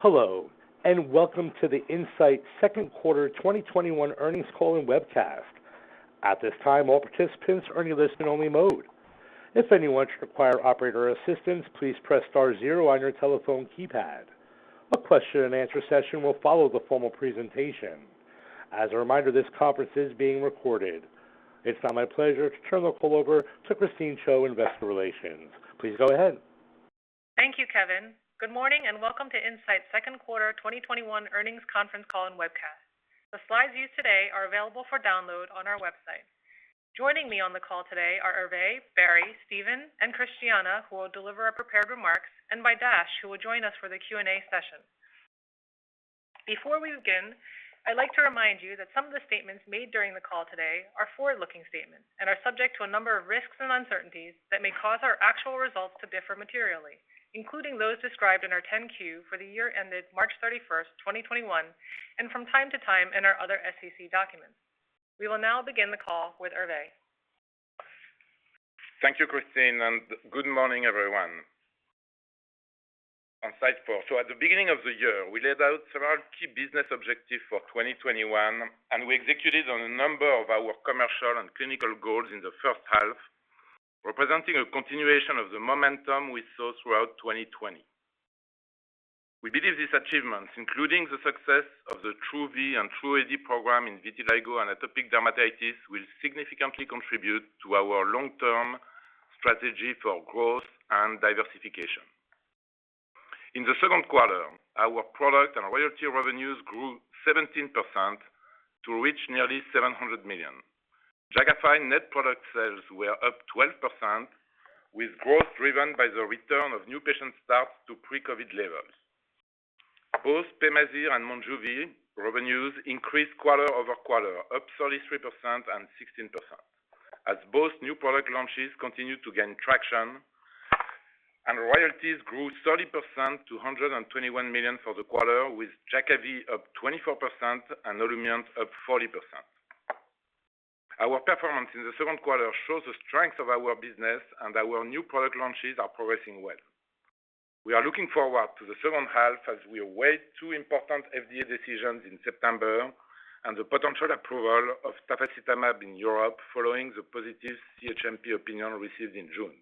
Hello. Welcome to the Incyte Q2 2021 earnings call and webcast. At this time all participates are on only listening mode. If you would require operator's assistance please press star zero on your telephone keypad. A question and answer session will follow the formal presentation. As a reminder, this call is being recorded. It's now my pleasure to turn the call over to Christine Chiou, investor relations. Please go ahead. Thank you, Kevin. Good morning and welcome to Incyte's Q2 2021 earnings conference call and webcast. The slides used today are available for download on our website. Joining me on the call today are Hervé, Barry, Steven, and Christiana, who will deliver our prepared remarks, and by Dash, who will join us for the Q&A session. Before we begin, I'd like to remind you that some of the statements made during the call today are forward-looking statements and are subject to a number of risks and uncertainties that may cause our actual results to differ materially, including those described in our 10-Q for the year ended March 31st, 2021, and from time to time in our other SEC documents. We will now begin the call with Hervé. Thank you, Christine, and good morning, everyone. On slide four. At the beginning of the year, we laid out several key business objectives for 2021, and we executed on a number of our commercial and clinical goals in the H1, representing a continuation of the momentum we saw throughout 2020. We believe these achievements, including the success of the TRuE-V and TRuE-AD program in vitiligo and atopic dermatitis, will significantly contribute to our long-term strategy for growth and diversification. In the Q2, our product and royalty revenues grew 17% to reach nearly $700 million. Jakafi net product sales were up 12%, with growth driven by the return of new patient starts to pre-COVID levels. Both Pemazyre and Monjuvi revenues increased quarter-over-quarter, up 33% and 16%, as both new product launches continued to gain traction, and royalties grew 30% to $121 million for the quarter, with Jakafi up 24% and Olumiant up 40%. Our performance in the Q2 shows the strength of our business and our new product launches are progressing well. We are looking forward to the H2 as we await two important FDA decisions in September and the potential approval of tafasitamab in Europe following the positive CHMP opinion received in June.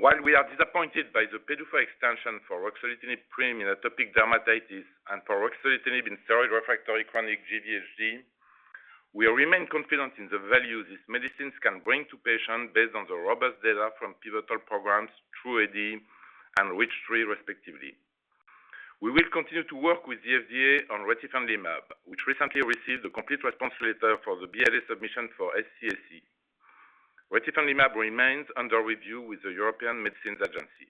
While we are disappointed by the PDUFA extension for ruxolitinib cream in atopic dermatitis and for ruxolitinib in steroid-refractory chronic GVHD, we remain confident in the value these medicines can bring to patients based on the robust data from pivotal programs TRuE-AD and REACH3, respectively. We will continue to work with the FDA on retifanlimab, which recently received a complete response letter for the BLA submission for SCCA. Retifanlimab remains under review with the European Medicines Agency.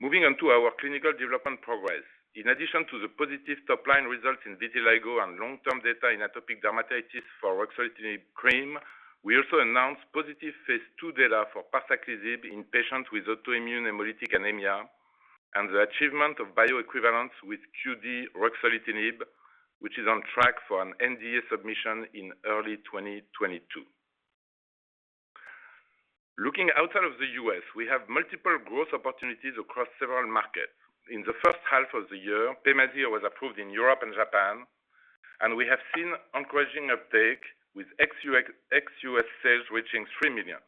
Moving on to our clinical development progress. In addition to the positive top-line results in vitiligo and long-term data in atopic dermatitis for ruxolitinib cream, we also announced positive phase II data for parsaclisib in patients with autoimmune hemolytic anemia and the achievement of bioequivalence with QD ruxolitinib, which is on track for an NDA submission in early 2022. Looking outside of the U.S., we have multiple growth opportunities across several markets. In the H1 of the year, Pemazyre was approved in Europe and Japan, and we have seen encouraging uptake with ex-U.S. sales reaching $3 million.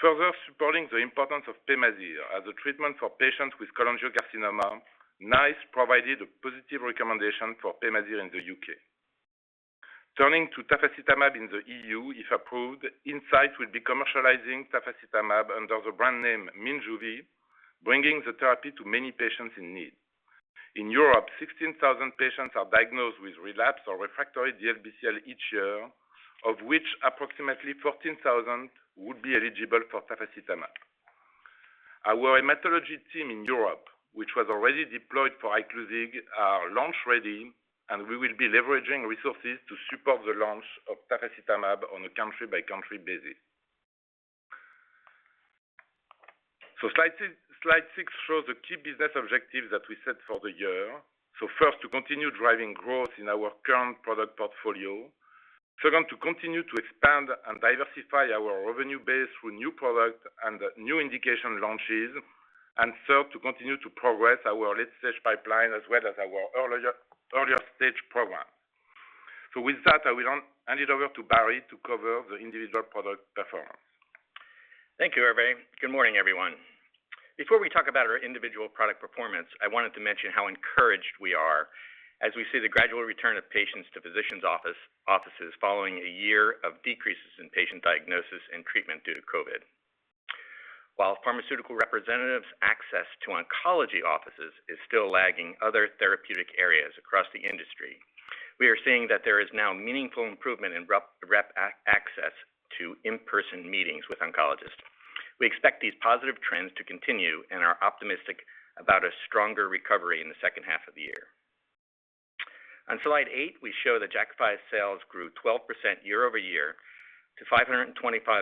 Further supporting the importance of Pemazyre as a treatment for patients with cholangiocarcinoma, NICE provided a positive recommendation for Pemazyre in the U.K. Turning to tafasitamab in the EU, if approved, Incyte will be commercializing tafasitamab under the brand name Minjuvi, bringing the therapy to many patients in need. In Europe, 16,000 patients are diagnosed with relapsed or refractory DLBCL each year, of which approximately 14,000 would be eligible for tafasitamab. Our hematology team in Europe, which was already deployed for Iclusig, are launch-ready, and we will be leveraging resources to support the launch of tafasitamab on a country-by-country basis. Slide six shows the key business objectives that we set for the year. First, to continue driving growth in our current product portfolio. Second, to continue to expand and diversify our revenue base through new product and new indication launches. Third, to continue to progress our late-stage pipeline as well as our earlier-stage program. With that, I will hand it over to Barry to cover the individual product performance. Thank you, Hervé. Good morning, everyone. Before we talk about our individual product performance, I wanted to mention how encouraged we are as we see the gradual return of patients to physicians' offices following a year of decreases in patient diagnosis and treatment due to COVID. While pharmaceutical representatives' access to oncology offices is still lagging other therapeutic areas across the industry, we are seeing that there is now meaningful improvement in rep access to in-person meetings with oncologists. We expect these positive trends to continue and are optimistic about a stronger recovery in the H2 of the year. On slide eight, we show that Jakafi sales grew 12% year-over-year to $529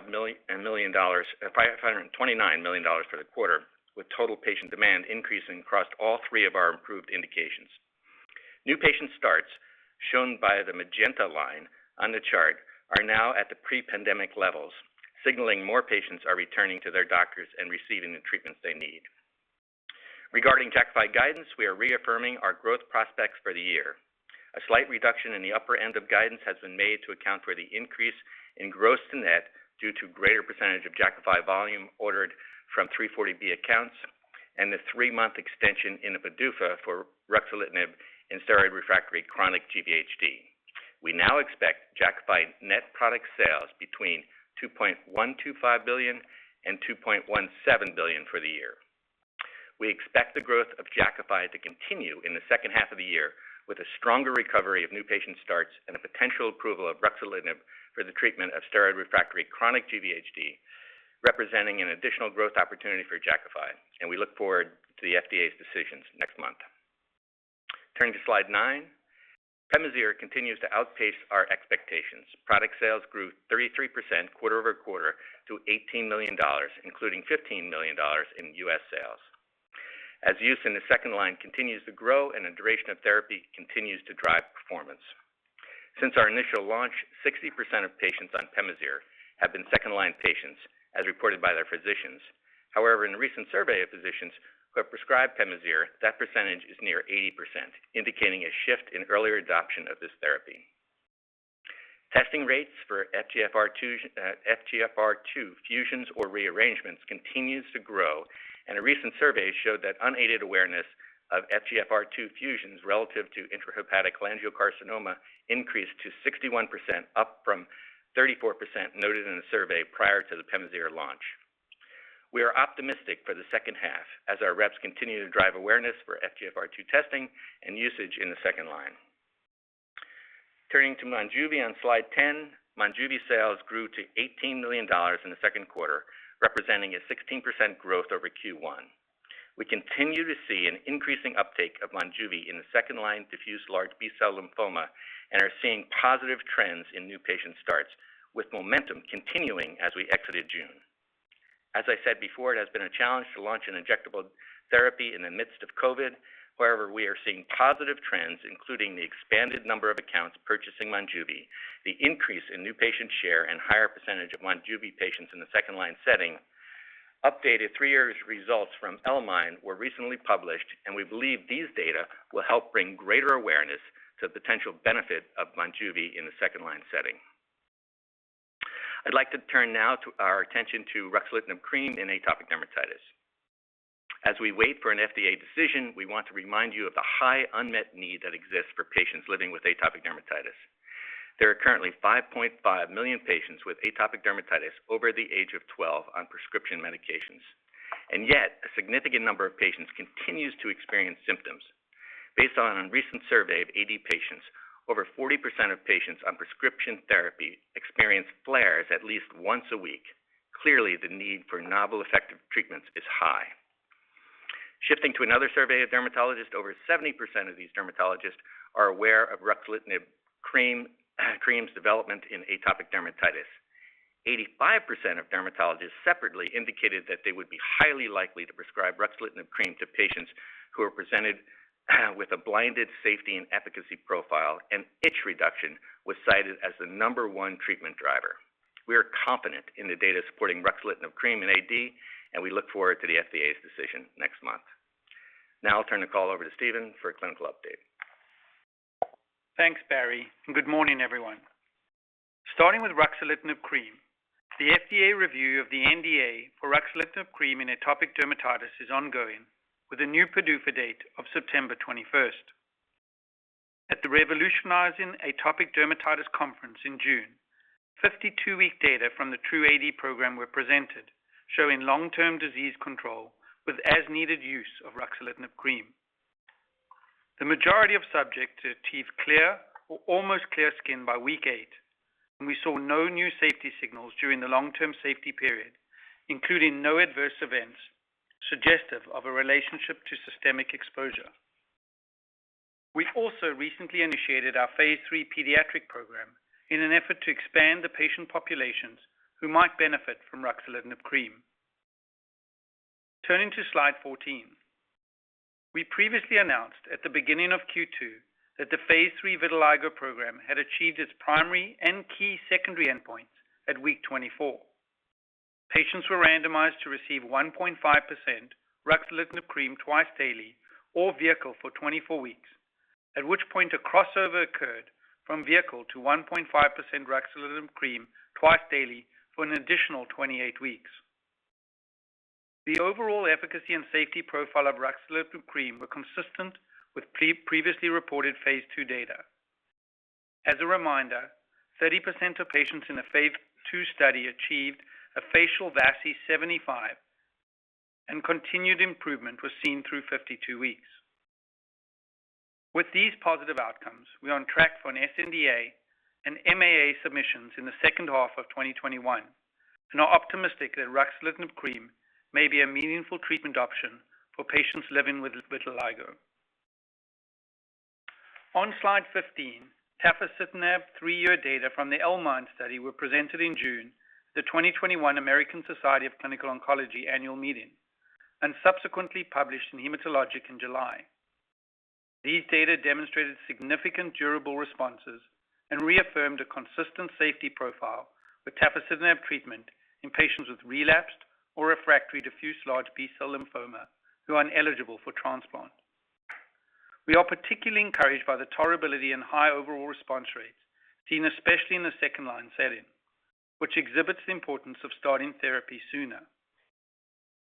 million for the quarter, with total patient demand increasing across all three of our approved indications. New patient stats, shown by the magenta line on the chart, are now at the pre-pandemic levels, signaling more patients are returning to their doctors and receiving the treatments they need. Regarding Jakafi guidance, we are reaffirming our growth prospects for the year. A slight reduction in the upper end of guidance has been made to account for the increase in gross to net due to greater percentage of Jakafi volume ordered from 340B accounts and the three-month extension in the PDUFA for ruxolitinib in steroid-refractory chronic GVHD. We now expect Jakafi net product sales between $2.125 billion and $2.17 billion for the year. We expect the growth of Jakafi to continue in the H2 of the year with a stronger recovery of new patient starts and a potential approval of ruxolitinib for the treatment of steroid-refractory chronic GVHD, representing an additional growth opportunity for Jakafi, and we look forward to the FDA's decisions next month. Turning to slide nine, Pemazyre continues to outpace our expectations. Product sales grew 33% quarter-over-quarter to $18 million, including $15 million in U.S. sales. As use in the second line continues to grow and the duration of therapy continues to drive performance. Since our initial launch, 60% of patients on Pemazyre have been second-line patients, as reported by their physicians. However, in a recent survey of physicians who have prescribed Pemazyre, that percentage is near 80%, indicating a shift in earlier adoption of this therapy. Testing rates for FGFR2 fusions or rearrangements continues to grow. A recent survey showed that unaided awareness of FGFR2 fusions relative to intrahepatic cholangiocarcinoma increased to 61%, up from 34% noted in a survey prior to the Pemazyre launch. We are optimistic for the H2 as our reps continue to drive awareness for FGFR2 testing and usage in the second line. Turning to Monjuvi on slide 10. Monjuvi sales grew to $18 million in the Q2, representing a 16% growth over Q1. We continue to see an increasing uptake of Monjuvi in the second-line diffuse large B-cell lymphoma and are seeing positive trends in new patient starts, with momentum continuing as we exited June. As I said before, it has been a challenge to launch an injectable therapy in the midst of COVID. However, we are seeing positive trends, including the expanded number of accounts purchasing Monjuvi, the increase in new patient share, and higher percentage of Monjuvi patients in the second-line setting. Updated three year's results from L-MIND were recently published. We believe these data will help bring greater awareness to the potential benefit of Monjuvi in the second-line setting. I'd like to turn now our attention to ruxolitinib cream in atopic dermatitis. As we wait for an FDA decision, we want to remind you of the high unmet need that exists for patients living with atopic dermatitis. There are currently 5.5 million patients with atopic dermatitis over the age of 12 on prescription medications. Yet a significant number of patients continues to experience symptoms. Based on a recent survey of AD patients, over 40% of patients on prescription therapy experience flares at least once a week. Clearly, the need for novel effective treatments is high. Shifting to another survey of dermatologists, over 70% of these dermatologists are aware of ruxolitinib cream's development in atopic dermatitis. 85% of dermatologists separately indicated that they would be highly likely to prescribe ruxolitinib cream to patients who are presented with a blinded safety and efficacy profile, and itch reduction was cited as the number one treatment driver. We are confident in the data supporting ruxolitinib cream in AD, and we look forward to the FDA's decision next month. Now I'll turn the call over to Steven for a clinical update. Thanks, Barry, good morning, everyone. Starting with ruxolitinib cream, the FDA review of the NDA for ruxolitinib cream in atopic dermatitis is ongoing with a new PDUFA date of September 21st. At the Revolutionizing Atopic Dermatitis Conference in June, 52-week data from the TRuE-AD program were presented showing long-term disease control with as-needed use of ruxolitinib cream. The majority of subjects achieved clear or almost clear skin by week eight, and we saw no new safety signals during the long-term safety period, including no adverse events suggestive of a relationship to systemic exposure. We also recently initiated our phase III pediatric program in an effort to expand the patient populations who might benefit from ruxolitinib cream. Turning to slide 14. We previously announced at the beginning of Q2 that the phase III vitiligo program had achieved its primary and key secondary endpoints at week 24. Patients were randomized to receive 1.5% ruxolitinib cream twice daily or vehicle for 24 weeks, at which point a crossover occurred from vehicle to 1.5% ruxolitinib cream twice daily for an additional 28 weeks. The overall efficacy and safety profile of ruxolitinib cream were consistent with previously reported phase II data. As a reminder, 30% of patients in the phase II study achieved a facial F-VASI75, and continued improvement was seen through 52 weeks. With these positive outcomes, we are on track for an sNDA and MAA submissions in the H2 of 2021 and are optimistic that ruxolitinib cream may be a meaningful treatment option for patients living with vitiligo. On slide 15, tafasitamab three-year data from the L-MIND study were presented in June, the 2021 American Society of Clinical Oncology annual meeting. Subsequently published in Haematologica in July. These data demonstrated significant durable responses and reaffirmed a consistent safety profile with tafasitamab treatment in patients with relapsed or refractory diffuse large B-cell lymphoma who are ineligible for transplant. We are particularly encouraged by the tolerability and high overall response rates seen especially in the second-line setting, which exhibits the importance of starting therapy sooner.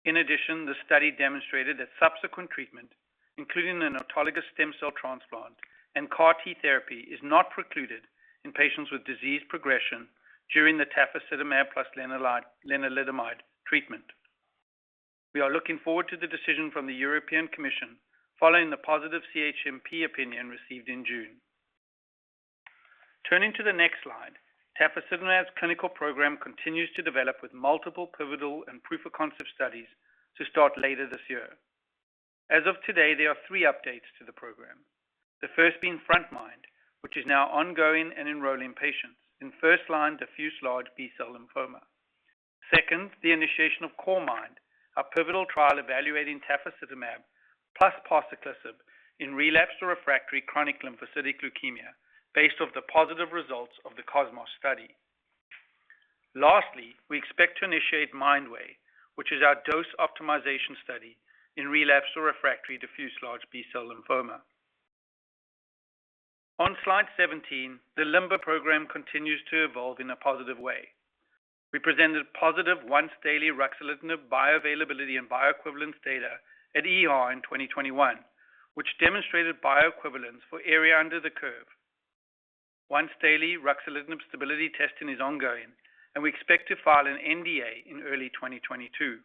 In addition, the study demonstrated that subsequent treatment, including an autologous stem cell transplant and CAR T therapy, is not precluded in patients with disease progression during the tafasitamab plus lenalidomide treatment. We are looking forward to the decision from the European Commission following the positive CHMP opinion received in June. Turning to the next slide, tafasitamab's clinical program continues to develop with multiple pivotal and proof-of-concept studies to start later this year. As of today, there are three updates to the program. The first being frontMIND, which is now ongoing and enrolling patients in first-line diffuse large B-cell lymphoma. Second, the initiation of CoreMIND, a pivotal trial evaluating tafasitamab plus parsaclisib in relapsed or refractory chronic lymphocytic leukemia based on the positive results of the COSMOS study. Lastly, we expect to initiate MindWAY, which is our dose optimization study in relapsed or refractory diffuse large B-cell lymphoma. On slide 17, the LIMBER program continues to evolve in a positive way. We presented positive once-daily ruxolitinib bioavailability and bioequivalence data at EHA in 2021, which demonstrated bioequivalence for area under the curve. Once-daily ruxolitinib stability testing is ongoing, and we expect to file an NDA in early 2022.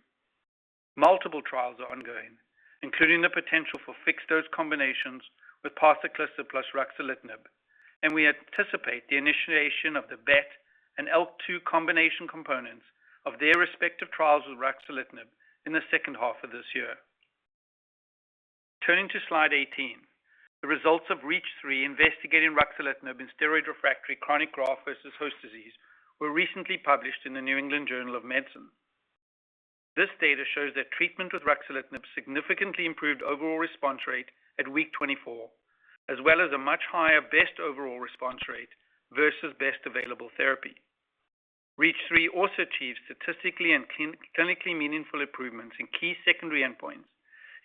Multiple trials are ongoing, including the potential for fixed-dose combinations with parsaclisib plus ruxolitinib. We anticipate the initiation of the BET and IL2 combination components of their respective trials with ruxolitinib in the H2 of this year. Turning to slide 18, the results of REACH3 investigating ruxolitinib in steroid-refractory chronic graft-versus-host disease were recently published in the New England Journal of Medicine. This data shows that treatment with ruxolitinib significantly improved overall response rate at week 24, as well as a much higher best overall response rate versus best available therapy. REACH3 also achieved statistically and clinically meaningful improvements in key secondary endpoints,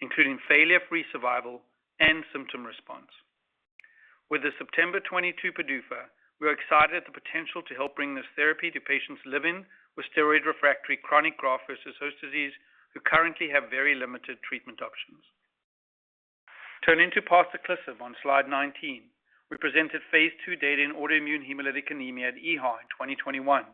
including failure-free survival and symptom response. With the September 22 PDUFA, we are excited at the potential to help bring this therapy to patients living with steroid-refractory chronic graft-versus-host disease who currently have very limited treatment options. Turning to parsaclisib on Slide 19. We presented phase II data in autoimmune hemolytic anemia at EHA in 2021,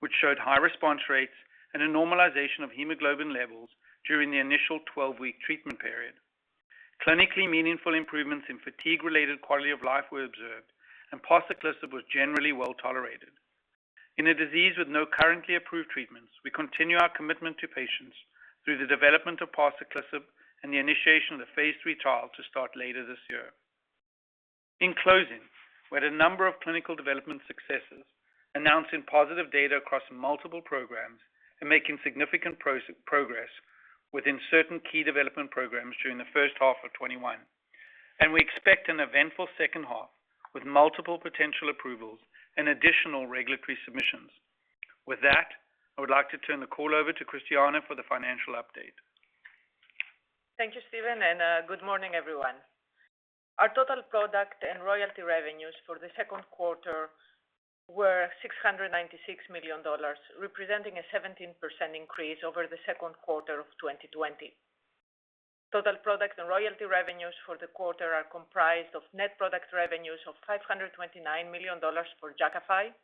which showed high response rates and a normalization of hemoglobin levels during the initial 12-week treatment period. Clinically meaningful improvements in fatigue-related quality of life were observed, and parsaclisib was generally well-tolerated. In a disease with no currently approved treatments, we continue our commitment to patients through the development of parsaclisib and the initiation of the phase III trial to start later this year. In closing, we had a number of clinical development successes, announcing positive data across multiple programs and making significant progress within certain key development programs during the H1 of 2021. We expect an eventful H2 with multiple potential approvals and additional regulatory submissions. With that, I would like to turn the call over to Christiana for the financial update. Thank you, Steven, and good morning, everyone. Our total product and royalty revenues for the Q2 were $696 million, representing a 17% increase over the Q2 of 2020. Total product and royalty revenues for the quarter are comprised of net product revenues of $529 million for Jakafi,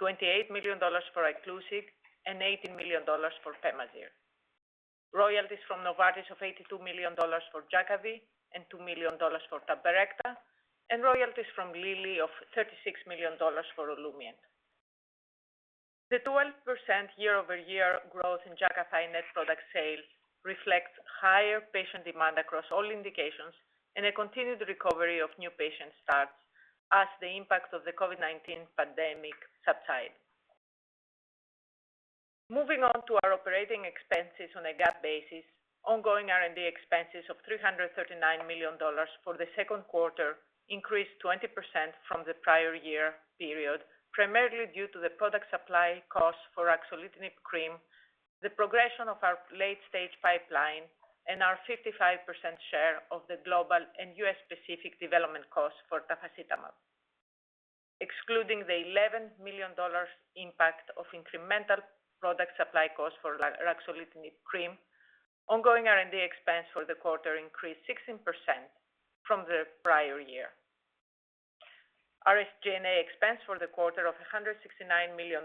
$28 million for Iclusig, and $18 million for Pemazyre. Royalties from Novartis of $82 million for Jakafi and $2 million for Tabrecta, and royalties from Lilly of $36 million for Olumiant. The 12% year-over-year growth in Jakafi net product sales reflects higher patient demand across all indications and a continued recovery of new patient starts as the impact of the COVID-19 pandemic subside. Moving on to our operating expenses on a GAAP basis. Ongoing R&D expenses of $339 million for the Q2 increased 20% from the prior year period, primarily due to the product supply costs for ruxolitinib cream, the progression of our late-stage pipeline, and our 55% share of the global and U.S.-specific development costs for tafasitamab. Excluding the $11 million impact of incremental product supply costs for ruxolitinib cream, ongoing R&D expense for the quarter increased 16% from the prior year. SG&A expense for the quarter of $169 million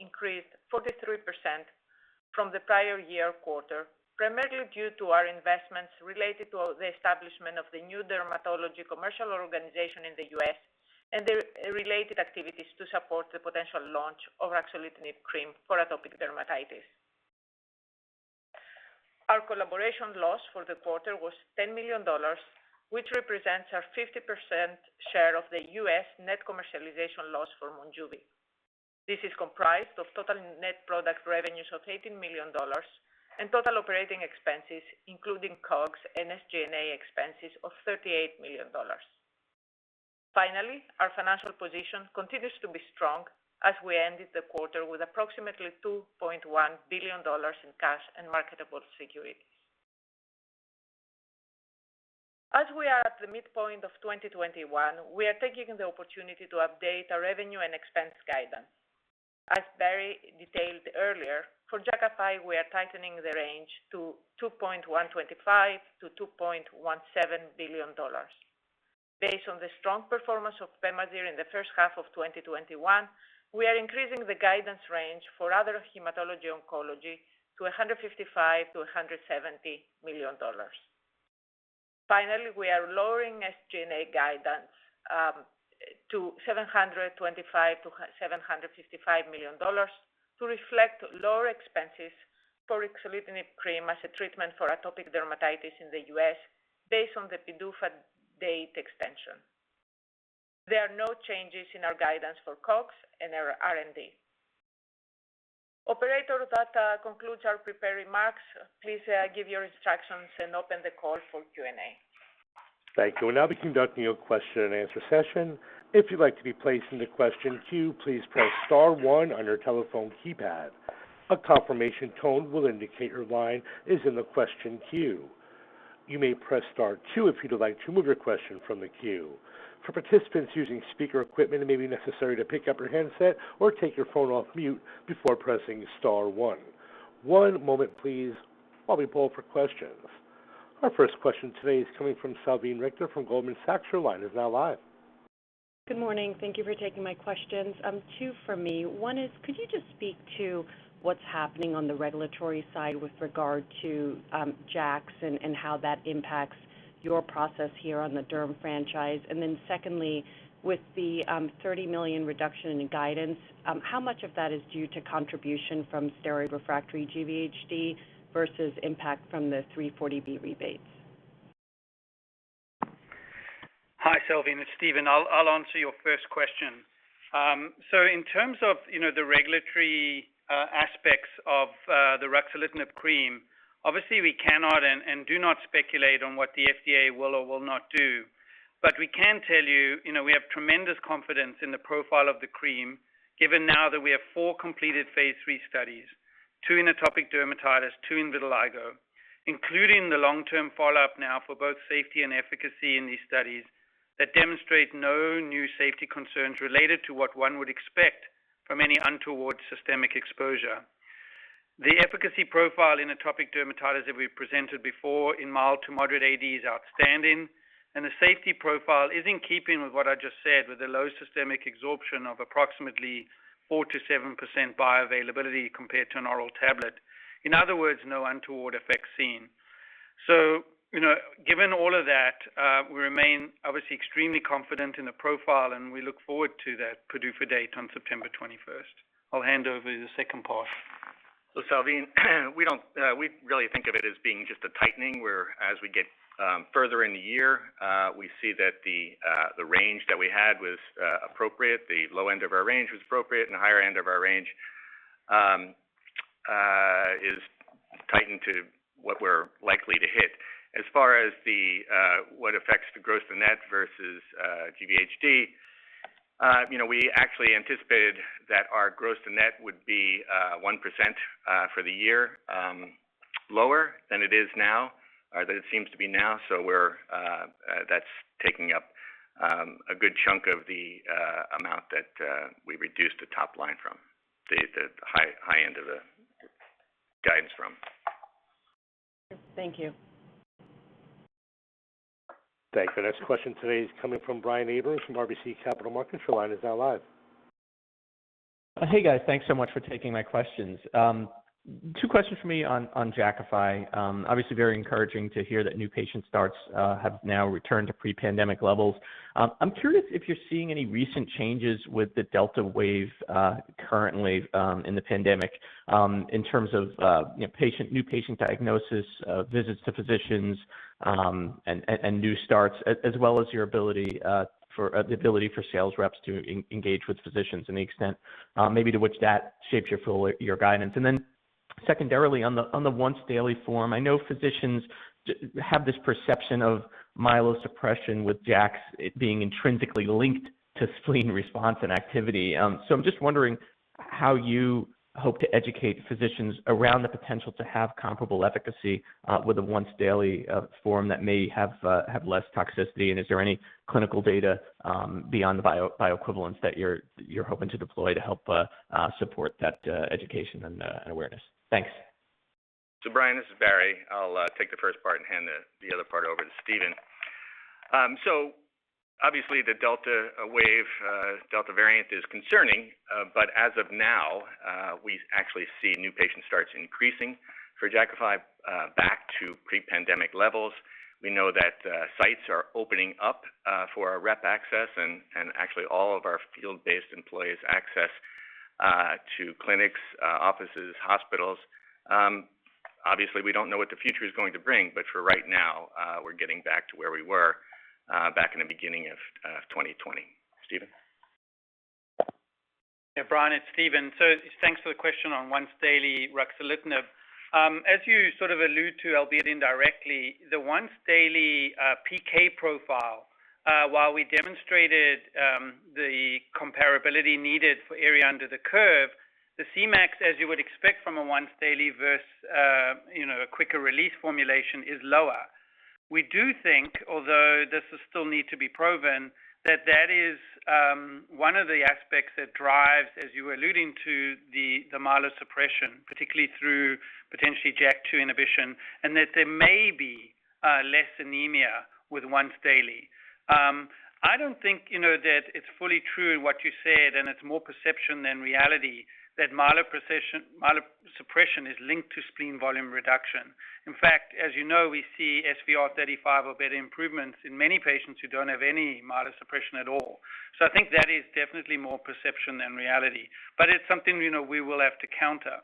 increased 43% from the prior year quarter, primarily due to our investments related to the establishment of the new dermatology commercial organization in the U.S. and the related activities to support the potential launch of ruxolitinib cream for atopic dermatitis. Our collaboration loss for the quarter was $10 million, which represents our 50% share of the U.S. net commercialization loss for Monjuvi. This is comprised of total net product revenues of $18 million and total operating expenses, including COGS and SG&A expenses of $38 million. Finally, our financial position continues to be strong as we ended the quarter with approximately $2.1 billion in cash and marketable securities. As we are at the midpoint of 2021, we are taking the opportunity to update our revenue and expense guidance. As Barry detailed earlier, for Jakafi, we are tightening the range to $2.125 billion-$2.17 billion. Based on the strong performance of Pemazyre in the H1 of 2021, we are increasing the guidance range for other hematology oncology to $155 million-$170 million. Finally, we are lowering SG&A guidance to $725 million-$755 million to reflect lower expenses for ruxolitinib cream as a treatment for atopic dermatitis in the U.S. based on the PDUFA date extension. There are no changes in our guidance for COGS and our R&D. Operator, that concludes our prepared remarks. Please give your instructions and open the call for Q&A. Thank you. We'll now be conducting your question-and-answer session. If you'd like to be placed in the question queue, please press star one on your telephone keypad. A confirmation tone will indicate your line is in the question queue. You may press star two if you'd like to remove your question from the queue. For participants using speaker equipment, it may be necessary to pick up your handset or take your phone off mute before pressing star one. One moment please while we poll for questions. Our first question today is coming from Salveen Richter from Goldman Sachs. Your line is now live. Good morning. Thank you for taking my questions. Two for me. One is, could you just speak to what's happening on the regulatory side with regard to JAKs and how that impacts your process here on the derm franchise? Secondly, with the $30 million reduction in guidance, how much of that is due to contribution from steroid refractory GVHD versus impact from the 340B rebates? Hi, Salveen. It's Steven. I'll answer your first question. In terms of the regulatory aspects of the ruxolitinib cream, obviously we cannot and do not speculate on what the FDA will or will not do, but we can tell you we have tremendous confidence in the profile of the cream given now that we have four completed phase III studies, two in atopic dermatitis, two in vitiligo, including the long-term follow-up now for both safety and efficacy in these studies that demonstrate no new safety concerns related to what one would expect from any untoward systemic exposure. The efficacy profile in atopic dermatitis that we've presented before in mild to moderate AD is outstanding, and the safety profile is in keeping with what I just said, with a low systemic absorption of approximately 4%-7% bioavailability compared to an oral tablet. In other words, no untoward effects seen. Given all of that, we remain obviously extremely confident in the profile, and we look forward to that PDUFA date on September 21st. I'll hand over the second part. Salveen, we really think of it as being just a tightening where as we get further in the year we see that the range that we had was appropriate. The low end of our range was appropriate, and the higher end of our range is tightened to what we're likely to hit. As far as what affects the gross and net versus GVHD, we actually anticipated that our gross to net would be 1% for the year lower than it is now or that it seems to be now. That's taking up a good chunk of the amount that we reduced the top line from, the high end of the guidance from. Thank you. Thank you. The next question today is coming from Brian Abrahams from RBC Capital Markets. Your line is now live. Hey, guys. Thanks so much for taking my questions. Two questions from me on Jakafi. Obviously very encouraging to hear that new patient starts have now returned to pre-pandemic levels. I'm curious if you're seeing any recent changes with the Delta wave currently in the pandemic in terms of new patient diagnosis, visits to physicians, and new stats, as well as the ability for sales reps to engage with physicians and the extent maybe to which that shapes your guidance. Secondarily, on the once-daily form, I know physicians have this perception of myelosuppression with JAKs, it being intrinsically linked to spleen response and activity. I'm just wondering how you hope to educate physicians around the potential to have comparable efficacy with a once-daily form that may have less toxicity. Is there any clinical data beyond the bioequivalence that you're hoping to deploy to help support that education and awareness? Thanks. Brian, this is Barry. I'll take the first part and hand the other part over to Steven. Obviously the Delta wave, Delta variant is concerning. As of now, we actually see new patient starts increasing for Jakafi back to pre-pandemic levels. We know that sites are opening up for our rep access and actually all of our field-based employees' access to clinics, offices, hospitals. Obviously, we don't know what the future is going to bring, but for right now, we're getting back to where we were back in the beginning of 2020. Steven? Brian, it's Steven. Thanks for the question on once-daily ruxolitinib. As you sort of allude to, albeit indirectly, the once-daily PK profile, while we demonstrated the comparability needed for area under the curve, the Cmax, as you would expect from a once-daily versus a quicker release formulation, is lower. We do think, although this will still need to be proven, that that is one of the aspects that drives, as you were alluding to, the myelosuppression, particularly through potentially JAK2 inhibition, and that there may be less anemia with once-daily. I don't think that it's fully true what you said, and it's more perception than reality that myelosuppression is linked to spleen volume reduction. In fact, as you know, we see SVR35 or better improvements in many patients who don't have any myelosuppression at all. I think that is definitely more perception than reality, but it's something we will have to counter.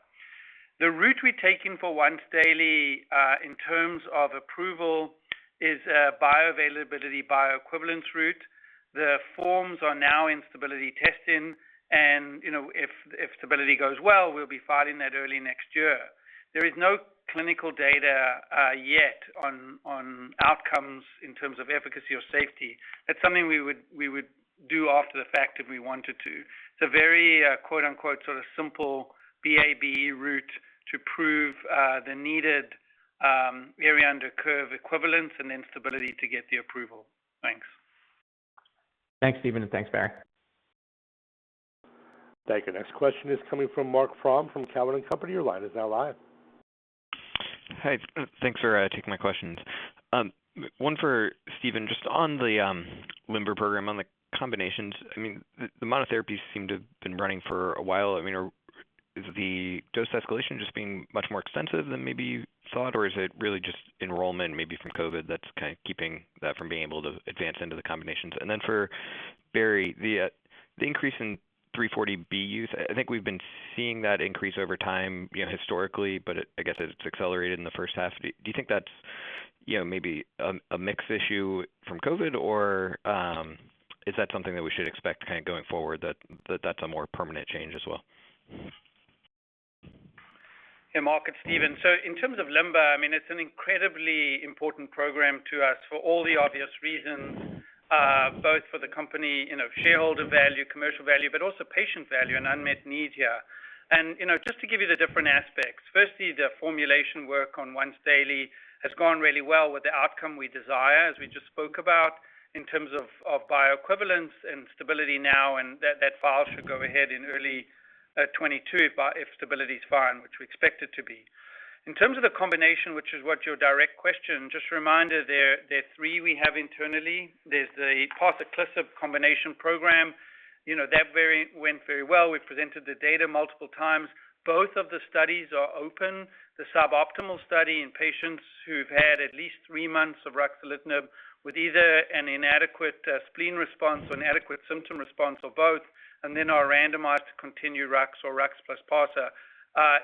The route we're taking for once-daily, in terms of approval, is a bioavailability, bioequivalence route. The forms are now in stability testing, and if stability goes well, we'll be filing that early next year. There is no clinical data yet on outcomes in terms of efficacy or safety. That's something we would do after the fact if we wanted to. It's a very sort of "simple" BA/BE route to prove the needed area under curve equivalence and then stability to get the approval. Thanks. Thanks, Steven, and thanks, Barry. Thank you. Next question is coming from Marc Frahm from Cowen and Company. Your line is now live. Hi, thanks for taking my questions. One for Steven, just on the LIMBER program, on the combinations. The monotherapies seem to have been running for a while. Is the dose escalation just being much more extensive than maybe you thought, or is it really just enrollment, maybe from COVID-19, that's keeping that from being able to advance into the combinations? For Barry, the increase in 340B use, I think we've been seeing that increase over time historically, but I guess it's accelerated in the H1. Do you think that's maybe a mix issue from COVID-19, or is that something that we should expect going forward, that that's a more permanent change as well? Yeah, Marc, it's Steven. In terms of LIMBER, it's an incredibly important program to us for all the obvious reasons, both for the company, shareholder value, commercial value, but also patient value and unmet needs here. Just to give you the different aspects, firstly, the formulation work on once-daily has gone really well with the outcome we desire, as we just spoke about in terms of bioequivalence and stability now, and that file should go ahead in early 2022 if stability is fine, which we expect it to be. In terms of the combination, which is what your direct question, just a reminder, there are three we have internally. There's the parsaclisib combination program. That went very well. We presented the data multiple times. Both of the studies are open. The suboptimal study in patients who've had at least three months of ruxolitinib with either an inadequate spleen response or inadequate symptom response or both, then are randomized to continue Rux or Rux plus parsaclisib,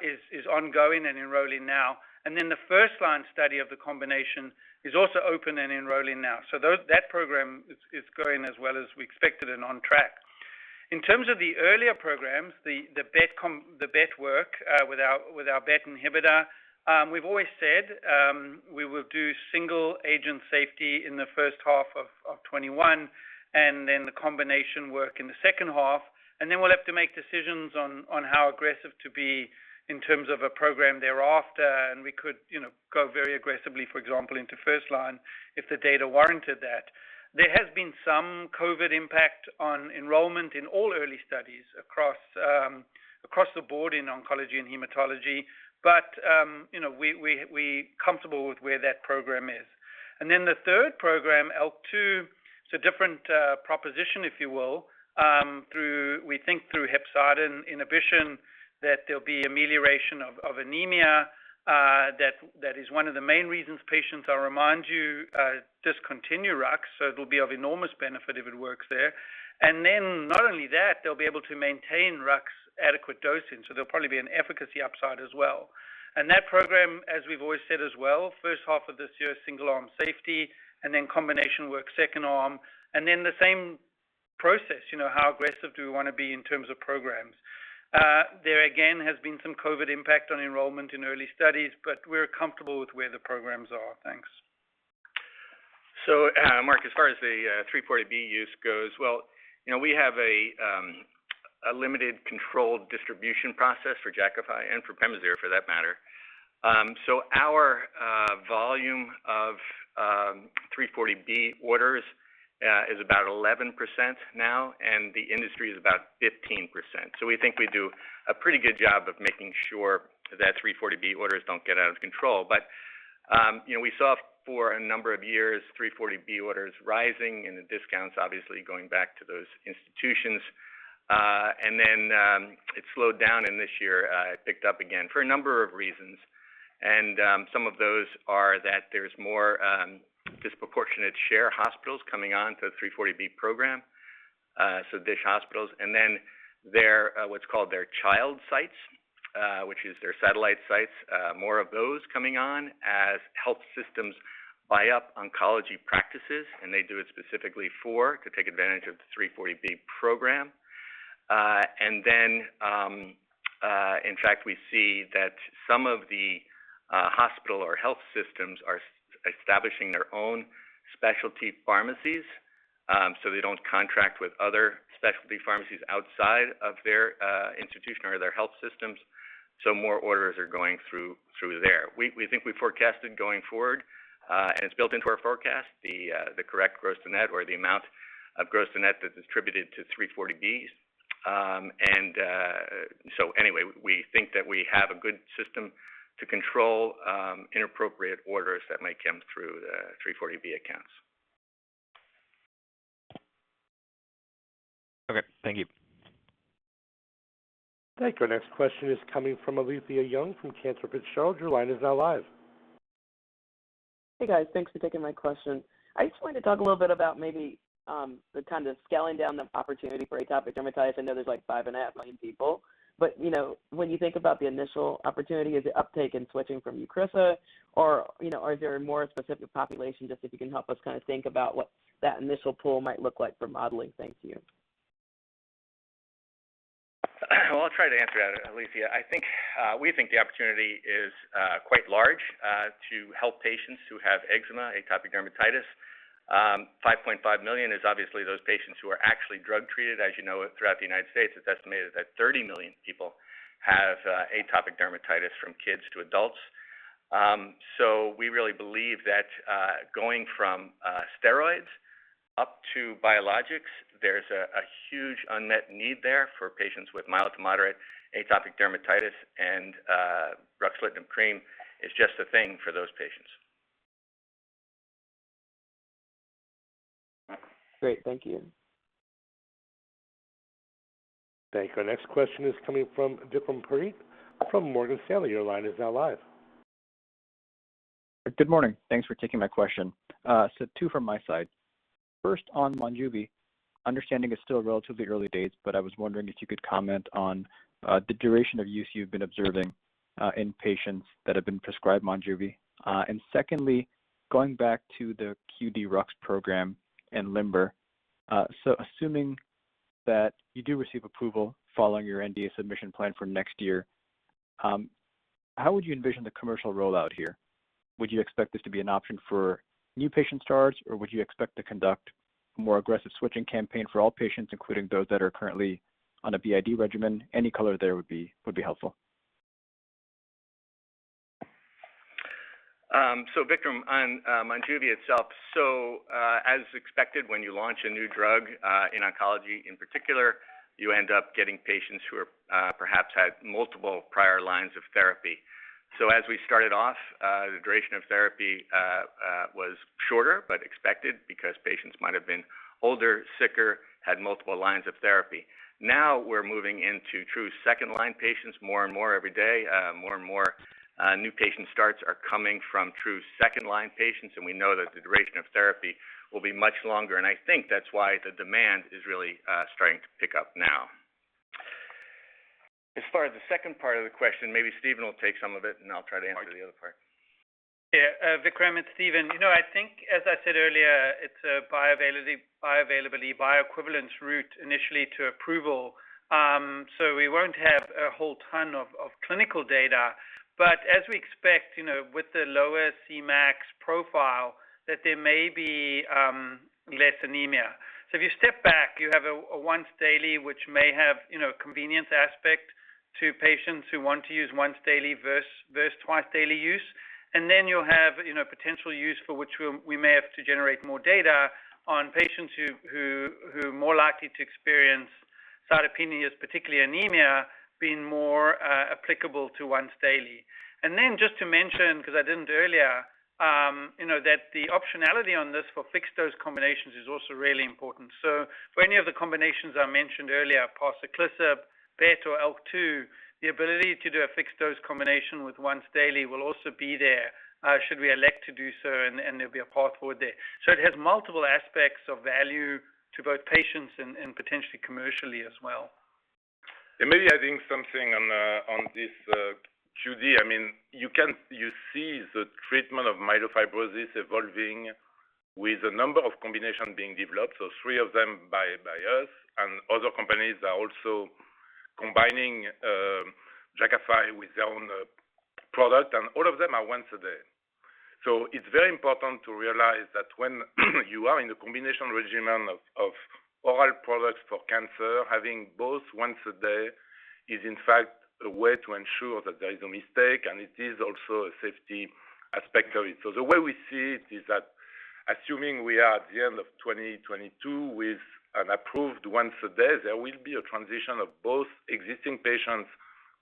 is ongoing and enrolling now. The first-line study of the combination is also open and enrolling now. That program is going as well as we expected and on track. In terms of the earlier programs, the BET work with our BET inhibitor, we've always said we will do single agent safety in the H1 of 2021, then the combination work in the H2, then we'll have to make decisions on how aggressive to be in terms of a program thereafter, we could go very aggressively, for example, into first line if the data warranted that. There has been some COVID impact on enrollment in all early studies across the board in oncology and hematology. We comfortable with where that program is. The third program, ALK2, it's a different proposition, if you will. We think through hepcidin inhibition that there'll be amelioration of anemia. That is one of the main reasons patients, I'll remind you, discontinue Rux, so it'll be of enormous benefit if it works there. Not only that, they'll be able to maintain Rux adequate dosing, so there'll probably be an efficacy upside as well. That program, as we've always said as well, H1 of this year, single-arm safety, and then combination work second arm, and then the same process. How aggressive do we want to be in terms of programs? There again, has been some COVID impact on enrollment in early studies, but we're comfortable with where the programs are. Thanks. Marc, as far as the 340B use goes, well, we have a limited controlled distribution process for Jakafi and for Pemazyre, for that matter. Our volume of 340B orders is about 11% now, and the industry is about 15%. We think we do a pretty good job of making sure that 340B orders don't get out of control. We saw for a number of years, 340B orders rising and the discounts obviously going back to those institutions. Then it slowed down, and this year it picked up again for a number of reasons. Some of those are that there's more disproportionate share hospitals coming on to the 340B program, so DSH hospitals. What's called their child sites, which is their satellite sites, more of those coming on as health systems buy up oncology practices, and they do it specifically for, to take advantage of the 340B program. In fact, we see that some of the hospital or health systems are establishing their own specialty pharmacies, so they don't contract with other specialty pharmacies outside of their institution or their health systems. More orders are going through there. We think we've forecasted going forward, and it's built into our forecast, the correct gross to net, or the amount of gross to net that's distributed to 340Bs. Anyway, we think that we have a good system to control inappropriate orders that might come through the 340B accounts. Okay, thank you. Thank you. Our next question is coming from Alethia Young from Cantor Fitzgerald. Your line is now live. Hey, guys. Thanks for taking my question. I just wanted to talk a little bit about maybe the kind of scaling down the opportunity for atopic dermatitis. I know there's 5.5 million people, but when you think about the initial opportunity, is it uptake and switching from EUCRISA, or is there a more specific population, just if you can help us think about what that initial pool might look like for modeling. Thank you. Well, I'll try to answer that, Alethia. We think the opportunity is quite large to help patients who have eczema, atopic dermatitis. 5.5 million is obviously those patients who are actually drug treated. As you know, throughout the United States, it's estimated that 30 million people have atopic dermatitis from kids to adults. We really believe that going from steroids up to biologics, there's a huge unmet need there for patients with mild to moderate atopic dermatitis, and ruxolitinib cream is just the thing for those patients. Great. Thank you. Thank you. Our next question is coming from Vikram Parikh from Morgan Stanley. Your line is now live. Good morning. Thanks for taking my question. Two from my side. First, on Monjuvi. Understanding it's still relatively early dates, but I was wondering if you could comment on the duration of use you've been observing in patients that have been prescribed Monjuvi. Secondly, going back to the QD-Rux program and LIMBER. Assuming that you do receive approval following your NDA submission plan for next year, how would you envision the commercial rollout here? Would you expect this to be an option for new patient starts, or would you expect to conduct a more aggressive switching campaign for all patients, including those that are currently on a BID regimen? Any color there would be helpful. Vikram, on Monjuvi itself. As expected, when you launch a new drug, in oncology in particular, you end up getting patients who perhaps had multiple prior lines of therapy. As we started off, the duration of therapy was shorter but expected because patients might have been older, sicker, had multiple lines of therapy. Now we're moving into true second-line patients more and more every day. More and more new patient starts are coming from true second-line patients, and we know that the duration of therapy will be much longer, and I think that's why the demand is really starting to pick up now. As far as the second part of the question, maybe Steven will take some of it, and I'll try to answer the other part. Yeah. Vikram, it's Steven. I think, as I said earlier, it's a bioavailability, bioequivalence route initially to approval. We won't have a whole ton of clinical data. As we expect, with the lower Cmax profile, that there may be less anemia. If you step back, you have a once-daily, which may have a convenience aspect to patients who want to use once-daily versus twice-daily use. You'll have potential use for which we may have to generate more data on patients who are more likely to experience cytopenias, particularly anemia, being more applicable to once-daily. Just to mention, because I didn't earlier, that the optionality on this for fixed-dose combinations is also really important. For any of the combinations I mentioned earlier, parsaclisib, BET or ALK2, the ability to do a fixed-dose combination with once-daily will also be there, should we elect to do so, and there'll be a path forward there. It has multiple aspects of value to both patients and potentially commercially as well. Maybe adding something on this QD. You see the treatment of myelofibrosis evolving with a number of combinations being developed, three of them by us, and other companies are also combining Jakafi with their own product, and all of them are once a day. It's very important to realize that when you are in a combination regimen of oral products for cancer, having both once a day is in fact a way to ensure that there is no mistake, and it is also a safety aspect of it. The way we see it is that assuming we are at the end of 2022 with an approved once a day, there will be a transition of both existing patients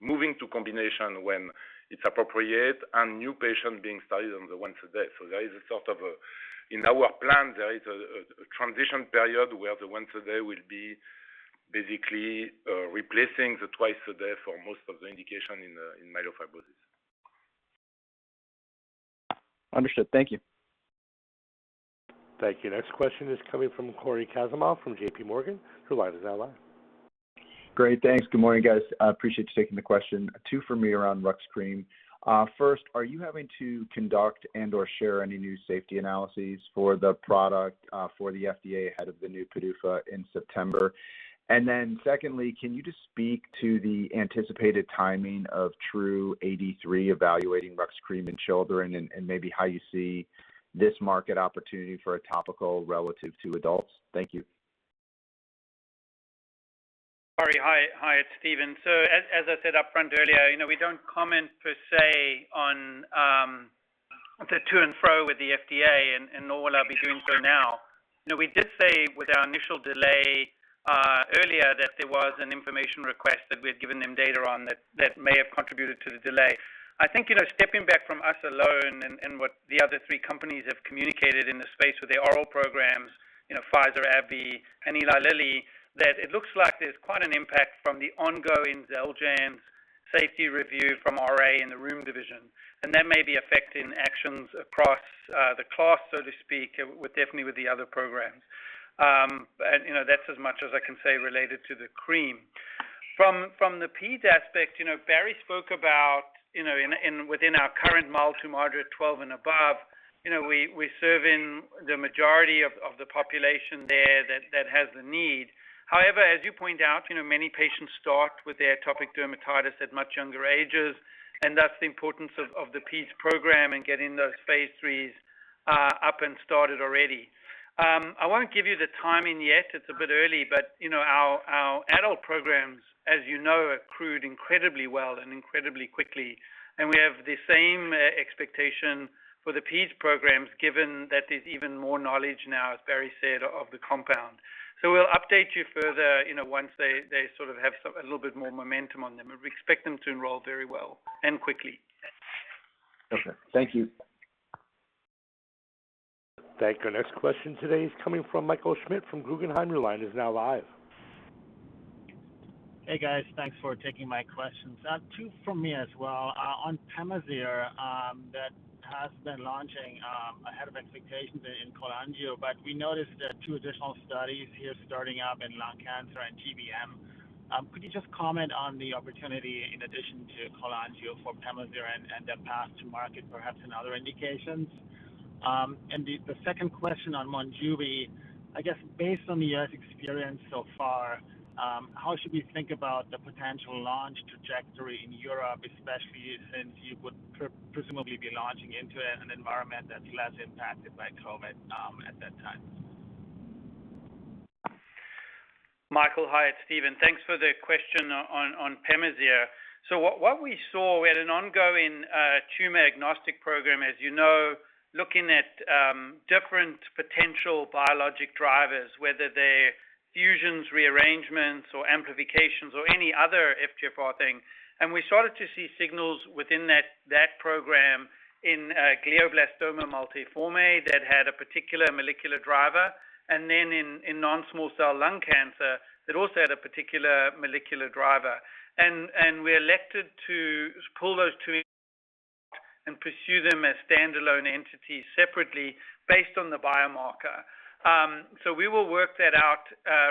moving to combination when it's appropriate and new patients being started on the once a day. In our plan, there is a transition period where the once a day will be basically replacing the twice a day for most of the indication in myelofibrosis. Understood. Thank you. Thank you. Next question is coming from Cory Kasimov from JP Morgan, your line is now live. Great. Thanks. Good morning, guys. I appreciate you taking the question. Two for me around Opzelura. First, are you having to conduct and/or share any new safety analyses for the product for the FDA ahead of the new PDUFA in September? Secondly, can you just speak to the anticipated timing of TRuE-AD3 evaluating Opzelura in children and maybe how you see this market opportunity for a topical relative to adults? Thank you. Cory. Hi, it's Steven. As I said up front earlier, we don't comment per se on the to and fro with the FDA and nor will I be doing so now. We did say with our initial delay earlier that there was an information request that we had given them data on that may have contributed to the delay. I think, stepping back from us alone and what the other three companies have communicated in the space with the oral programs, Pfizer, AbbVie, and Eli Lilly, that it looks like there's quite an impact from the ongoing XELJANZ safety review from RA in the room division. That may be affecting actions across the class, so to speak, definitely with the other programs. That's as much as I can say related to the cream. From the Peds aspect, Barry spoke about within our current mild to moderate, 12 and above, we're serving the majority of the population there that has the need. As you point out, many patients start with their atopic dermatitis at much younger ages, and that's the importance of the Peds program and getting those phase III up and started already. I won't give you the timing yet. It's a bit early, our adult programs, as you know, accrued incredibly well and incredibly quickly, and we have the same expectation for the Peds programs, given that there's even more knowledge now, as Barry said, of the compound. We'll update you further, once they sort of have a little bit more momentum on them, and we expect them to enroll very well and quickly. Okay. Thank you. Thank you. Our next question today is coming from Michael Schmidt from Guggenheim. Your line is now live. Hey, guys. Thanks for taking my questions. Two from me as well. On Pemazyre, that has been launching ahead of expectations in cholangio, we noticed that two additional studies here starting up in lung cancer and GBM. Could you just comment on the opportunity in addition to cholangio for Pemazyre and the path to market, perhaps in other indications? The second question on Monjuvi, I guess based on the U.S. experience so far, how should we think about the potential launch trajectory in Europe, especially since you would presumably be launching into an environment that's less impacted by COVID at that time? Michael, hi, it's Steven. Thanks for the question on Pemazyre. What we saw, we had an ongoing tumor-agnostic program, as you know, looking at different potential biologic drivers, whether they're fusions, rearrangements, or amplifications or any other FGFR thing. We started to see signals within that program in glioblastoma multiforme that had a particular molecular driver, and then in non-small cell lung cancer that also had a particular molecular driver. We elected to pull those two and pursue them as standalone entities separately based on the biomarker. We will work that out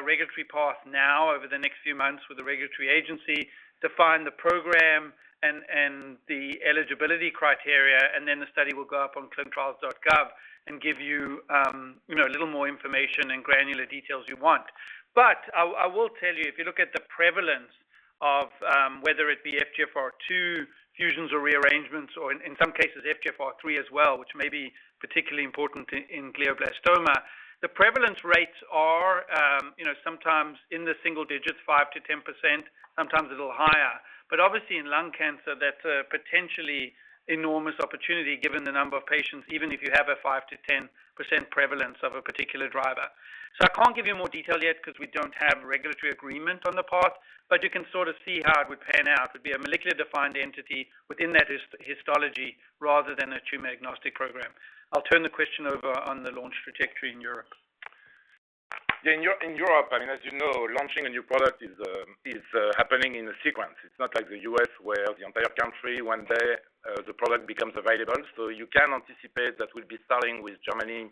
regulatory path now over the next few months with the regulatory agency to find the program and the eligibility criteria, and then the study will go up on clinicaltrials.gov and give you a little more information and granular details you want. I will tell you, if you look at the prevalence of whether it be FGFR2 fusions or rearrangements or in some cases FGFR3 as well, which may be particularly important in glioblastoma, the prevalence rates are sometimes in the single digits, 5%-10%, sometimes a little higher. Obviously in lung cancer, that's a potentially enormous opportunity given the number of patients, even if you have a 5%-10% prevalence of a particular driver. I can't give you more detail yet because we don't have regulatory agreement on the path, but you can sort of see how it would pan out. It would be a molecular-defined entity within that histology rather than a tumor-agnostic program. I'll turn the question over on the launch trajectory in Europe. Yeah. In Europe, as you know, launching a new product is happening in a sequence. It's not like the U.S. where the entire country one day the product becomes available. You can anticipate that we'll be starting with Germany,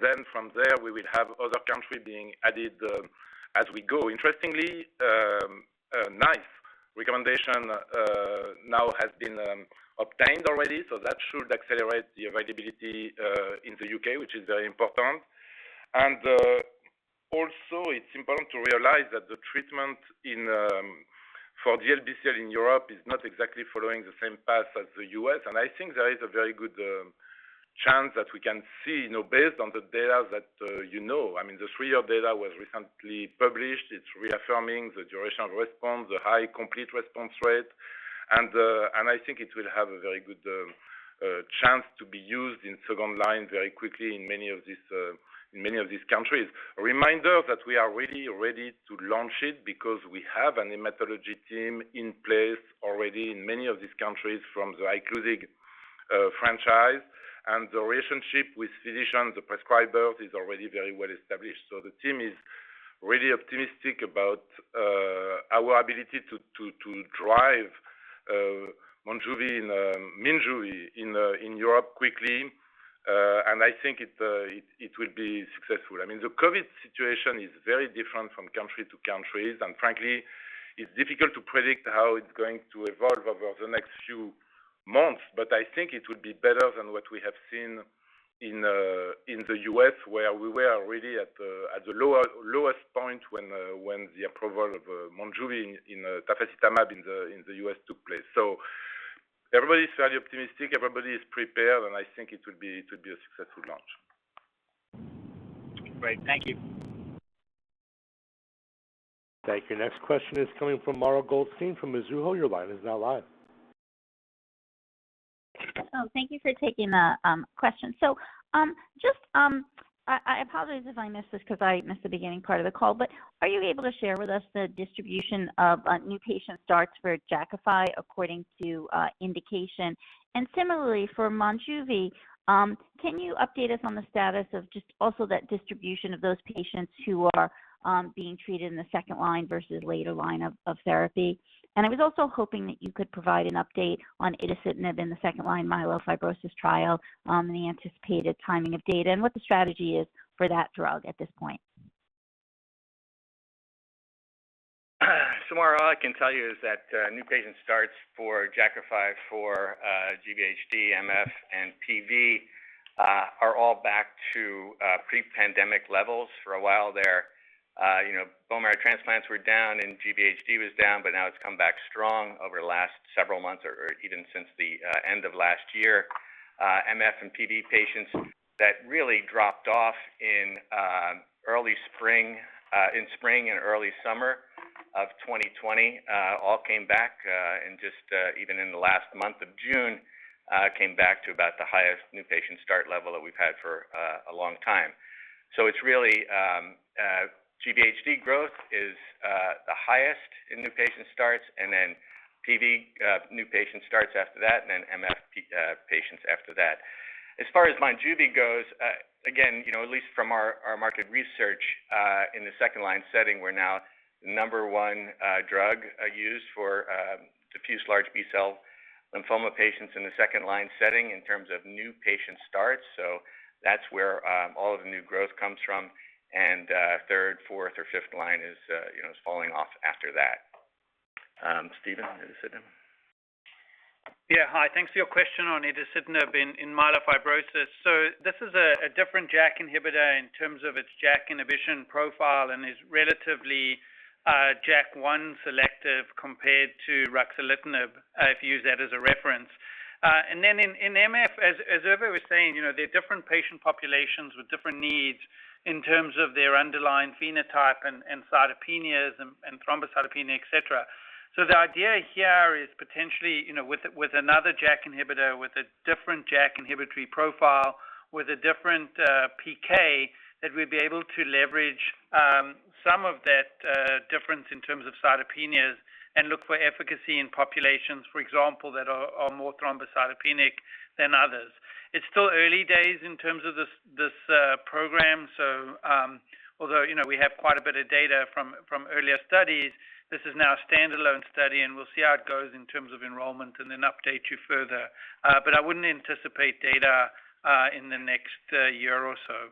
then from there, we will have other country being added as we go. Interestingly, NICE recommendation now has been obtained already, that should accelerate the availability in the U.K., which is very important. Also it's important to realize that the treatment for DLBCL in Europe is not exactly following the same path as the U.S. I think there is a very good chance that we can see based on the data that you know, the three-year data was recently published. It's reaffirming the duration of response, the high complete response rate. I think it will have a very good chance to be used in second line very quickly in many of these countries. A reminder that we are really ready to launch it because we have a hematology team in place already in many of these countries from the Iclusig franchise and the relationship with physicians, the prescribers, is already very well established. The team is really optimistic about our ability to drive Monjuvi in Europe quickly. I think it will be successful. The COVID situation is very different from country to country, and frankly, it's difficult to predict how it's going to evolve over the next few months. I think it will be better than what we have seen in the U.S., where we were really at the lowest point when the approval of Monjuvi, tafasitamab in the U.S. took place. Everybody's very optimistic, everybody is prepared, and I think it will be a successful launch. Great. Thank you. Thank you. Next question is coming from Mara Goldstein from Mizuho. Your line is now live. Oh, thank you for taking the question. I apologize if I missed this because I missed the beginning part of the call, but are you able to share with us the distribution of new patient starts for Jakafi according to indication? Similarly for Monjuvi, can you update us on the status of just also that distribution of those patients who are being treated in the second-line versus later-line of therapy? I was also hoping that you could provide an update on itacitinib in the second-line myelofibrosis trial, the anticipated timing of data, and what the strategy is for that drug at this point. Mara, all I can tell you is that new patient starts for Jakafi for GVHD, MF, and PV are all back to pre-pandemic levels. For a while there, bone marrow transplants were down, and GVHD was down, but now it's come back strong over the last several months or even since the end of last year. MF and PV patients that really dropped off in spring and early summer of 2020 all came back in just even in the last month of June, came back to about the highest new patient start level that we've had for a long time. It's really GVHD growth is the highest in new patient starts, and then PV new patient starts after that, and then MF patients after that. As far as Monjuvi goes, again, at least from our market research, in the second-line setting, we're now the number one drug used for Diffuse Large B-cell Lymphoma patients in the second-line setting in terms of new patient starts. That's where all of the new growth comes from, and third, fourth, or fifth line is falling off after that. Steven, on itacitinib? Thanks for your question on itacitinib in myelofibrosis. This is a different JAK inhibitor in terms of its JAK inhibition profile and is relatively JAK1 selective compared to ruxolitinib, if you use that as a reference. In MF, as Hervé was saying, there are different patient populations with different needs in terms of their underlying phenotype and cytopenias and thrombocytopenia, et cetera. The idea here is potentially, with another JAK inhibitor with a different JAK inhibitory profile, with a different PK, that we'd be able to leverage some of that difference in terms of cytopenias and look for efficacy in populations, for example, that are more thrombocytopenic than others. It's still early days in terms of this program. Although we have quite a bit of data from earlier studies, this is now a standalone study, and we'll see how it goes in terms of enrollment and then update you further. I wouldn't anticipate data in the next year or so.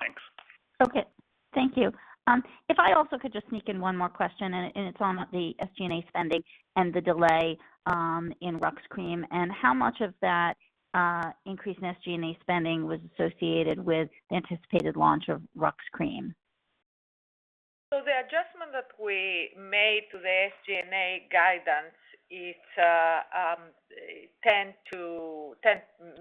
Thanks. Okay. Thank you. If I also could just sneak in one more question, and it's on the SG&A spending and the delay in Opzelura, and how much of that increase in SG&A spending was associated with the anticipated launch of Opzelura? The adjustment that we made to the SG&A guidance is $10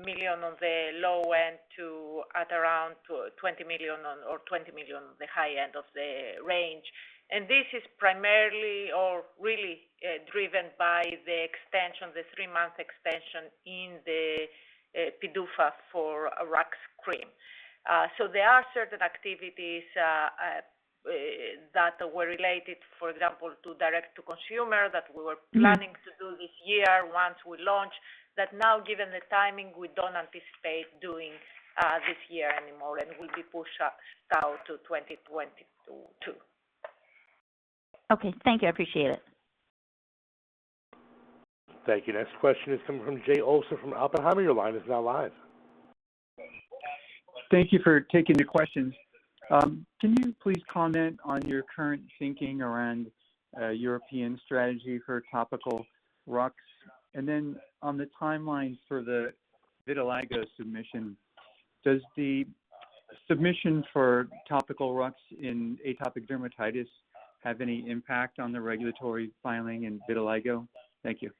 million on the low end to at around $20 million on the high end of the range. This is primarily, or really driven by the extension, the three month extension in the PDUFA for Opzelura. There are certain activities that were related, for example, to direct to consumer that we were planning to do this year once we launch, that now given the timing, we don't anticipate doing this year anymore, and will be pushed out to 2022. Okay. Thank you. I appreciate it. Thank you. Next question is coming from Jay Olson from Oppenheimer. Your line is now live. Thank you for taking the questions. Can you please comment on your current thinking around European strategy for topical RUX? On the timeline for the vitiligo submission, does the submission for topical RUX in atopic dermatitis have any impact on the regulatory filing in vitiligo? Thank you.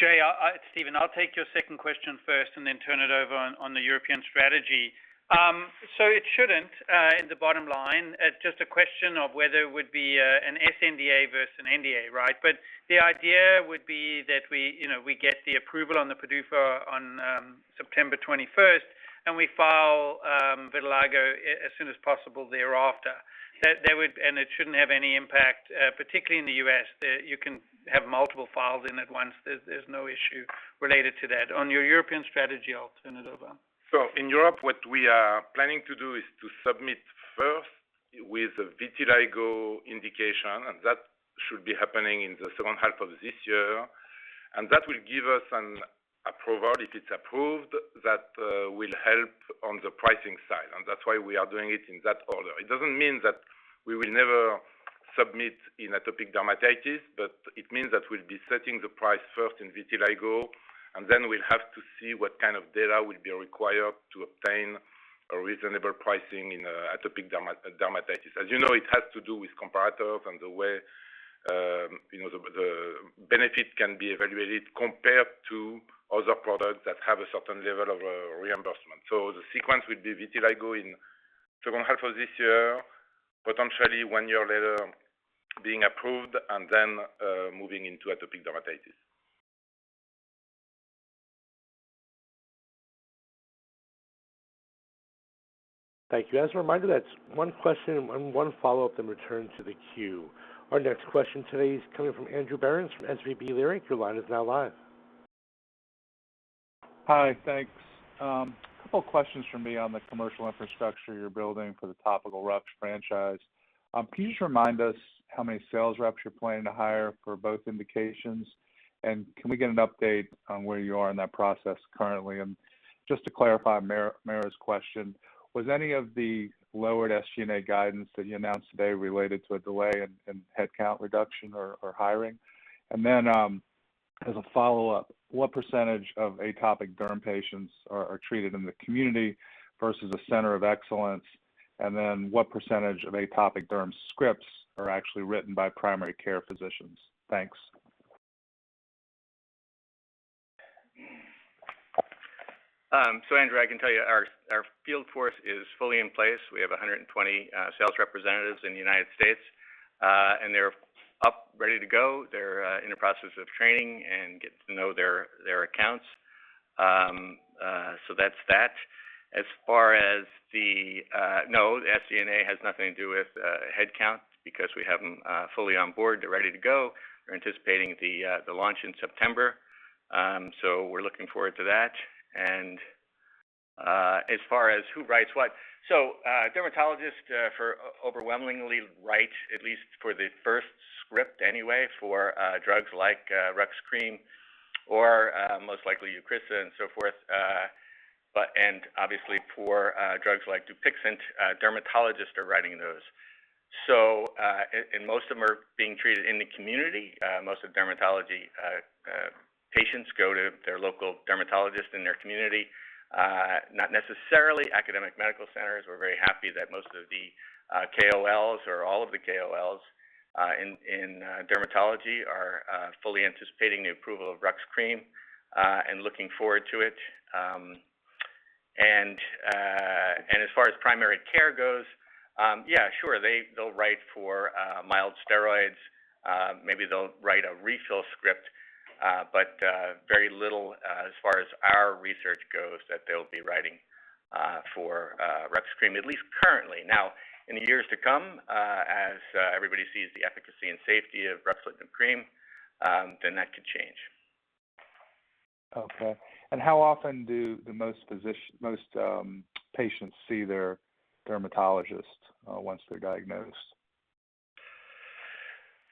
Jay, it's Steven. I'll take your second question first and then turn it over on the European strategy. It shouldn't, in the bottom line. It's just a question of whether it would be an sNDA versus an NDA, right? The idea would be that we get the approval on the PDUFA on September 21st, and we file vitiligo as soon as possible thereafter. It shouldn't have any impact, particularly in the U.S. You can have multiple files in at once. There's no issue related to that. On your European strategy, I'll turn it over. In Europe, what we are planning to do is to submit first with a vitiligo indication. That should be happening in the H2 of this year. That will give us an approval. If it's approved, that will help on the pricing side. That's why we are doing it in that order. It doesn't mean that we will never submit in atopic dermatitis. It means that we'll be setting the price first in vitiligo. Then we'll have to see what kind of data will be required to obtain a reasonable pricing in atopic dermatitis. As you know, it has to do with comparators and the way the benefit can be evaluated compared to other products that have a certain level of reimbursement. The sequence will be vitiligo in H2 of this year, potentially one year later being approved, and then moving into atopic dermatitis. Thank you. As a reminder, that's one question and one follow-up, then return to the queue. Our next question today is coming from Andrew Berens from SVB Leerink. Your line is now live. Hi. Thanks. A couple questions from me on the commercial infrastructure you're building for the topical Rux franchise. Can you just remind us how many sales reps you're planning to hire for both indications, and can we get an update on where you are in that process currently? Just to clarify Mara's question, was any of the lowered SG&A guidance that you announced today related to a delay in headcount reduction or hiring? As a follow-up, what percentage of atopic derm patients are treated in the community versus a center of excellence? What percentage of atopic derm scripts are actually written by primary care physicians? Thanks. Andrew, I can tell you our field force is fully in place. We have 120 sales representatives in the U.S. They're up, ready to go. They're in the process of training and getting to know their accounts. That's that. As far as the No, the SG&A has nothing to do with headcount because we have them fully on board. They're ready to go. We're anticipating the launch in September. We're looking forward to that. As far as who writes what, a dermatologist overwhelmingly writes, at least for the first script anyway, for drugs like RUX cream or most likely EUCRISA and so forth. Obviously for drugs like Dupixent, dermatologists are writing those. Most of them are being treated in the community. Most dermatology patients go to their local dermatologist in their community. Not necessarily academic medical centers. We're very happy that most of the KOLs or all of the KOLs in dermatology are fully anticipating the approval of RUX cream and looking forward to it. As far as primary care goes, yeah, sure, they'll write for mild steroids. Maybe they'll write a refill script. Very little as far as our research goes that they'll be writing for RUX cream, at least currently. In the years to come, as everybody sees the efficacy and safety of ruxolitinib cream, then that could change. Okay. How often do most patients see their dermatologist once they're diagnosed?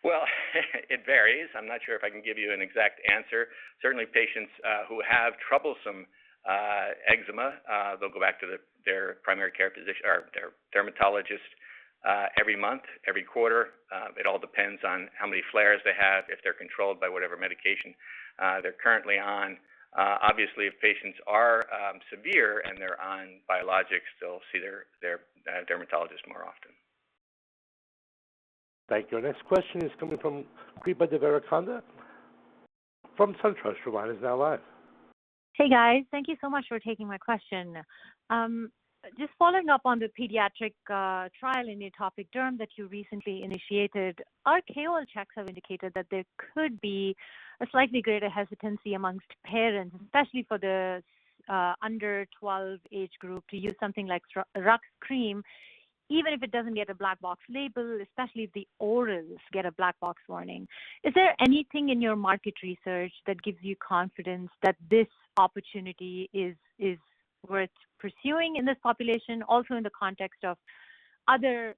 Well, it varies. I'm not sure if I can give you an exact answer. Certainly, patients who have troublesome eczema, they'll go back to their dermatologist every month, every quarter. It all depends on how many flares they have, if they're controlled by whatever medication they're currently on. Obviously if patients are severe and they're on biologics, they'll see their dermatologist more often. Thank you. Our next question is coming from Kripa Devarakonda from SunTrust. Your line is now live. Hey, guys. Thank you so much for taking my question. Just following up on the pediatric trial in atopic derm that you recently initiated. Our KOL checks have indicated that there could be a slightly greater hesitancy amongst parents, especially for the under 12 age group, to use something like RUX cream, even if it doesn't get a black box label, especially if the orals get a black box warning. Is there anything in your market research that gives you confidence that this opportunity is worth pursuing in this population, also in the context of other